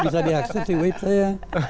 bisa di akses di web saya